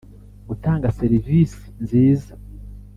gutanga serivisi nziza